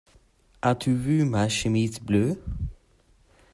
As-tu vu ma chemise bleue?